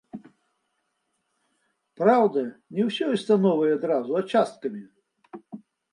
Праўда, не ўсёй установай адразу, а часткамі.